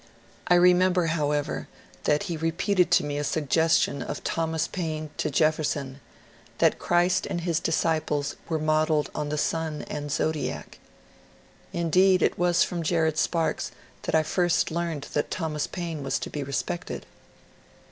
I remember, however, that he repeated to me a suggestion of Thomas Paine to Jef ferson, that Christ and his disciples were modelled on the sun and zodiac. Indeed, it was from Jared Sparks that I. first learned that Thomas Paine was to be respected.